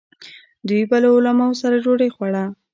دوی به له علماوو سره ډوډۍ خوړه.